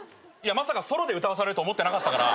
まさかソロで歌わされると思ってなかったから。